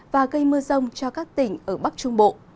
và gây mưa rông cho các tỉnh ở bắc trung bộ